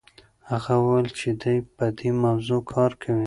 هغه وویل چې دی په دې موضوع کار کوي.